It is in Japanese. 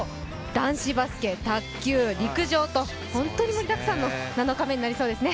男子バスケ、卓球、陸上と本当に盛りだくさんの７日目になりそうですね。